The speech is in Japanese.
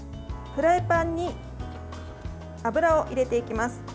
フライパンに油を入れていきます。